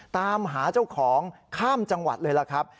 ตามหาเจ้าของข้ามจังหวัดเลยล่ะครับ